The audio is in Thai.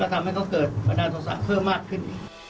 ก็ทำให้เขาเกิดปัญญาโทรศาสตร์เพิ่มมากขึ้น